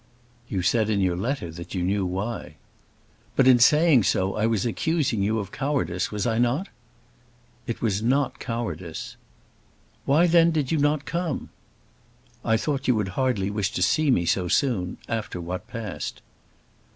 "You said in your letter that you knew why." "But in saying so I was accusing you of cowardice; was I not?" "It was not cowardice." "Why then did you not come?" "I thought you would hardly wish to see me so soon, after what passed."